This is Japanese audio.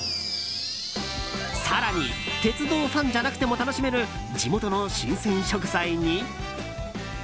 更に、鉄道ファンじゃなくても楽しめる地元の新鮮食材に。